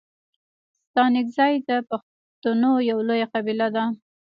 ستانگزي د پښتنو یو لويه قبیله ده.